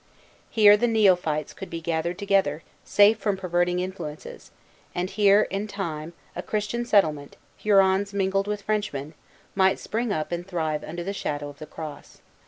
Here the neophytes could be gathered together, safe from perverting influences; and here in time a Christian settlement, Hurons mingled with Frenchmen, might spring up and thrive under the shadow of the cross.